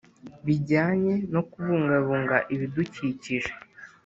bijyanye no kubungabunga ibidukikije